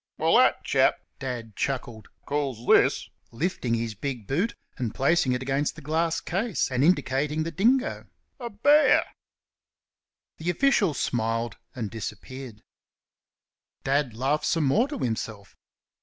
"Well, thet chap," Dad chuckled, "calls this" (lifting his big boot and placing it against the glass case and indicating the dingo) "a bear!" The official smiled and disappeared. Dad laughed some more to himself.